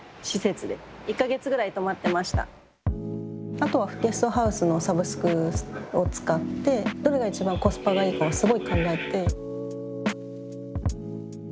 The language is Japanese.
あとはゲストハウスのサブスクを使ってどれが一番コスパがいいかをすごい考えて。